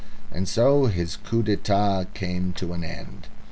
And so his coup d'état came to an end.